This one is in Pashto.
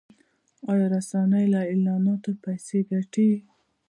آیا رسنۍ له اعلاناتو پیسې ګټي؟